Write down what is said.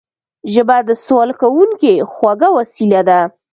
ژبه د سوال کوونکي خوږه وسيله ده